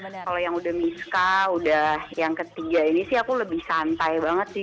kalau yang udah miska udah yang ketiga ini sih aku lebih santai banget sih